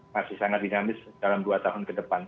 masih sangat dinamis dalam dua tahun ke depan